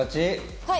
はい！